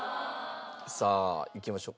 さあいきましょう。